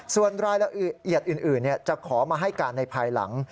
ส่วนรายละเอียดอื่นจะขอมาให้การในภายหลัง